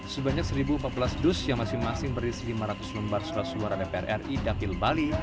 sebanyak seribu empat ratus dus yang masing masing berisi lima ratus lembar surat suara dpr ri dapil bali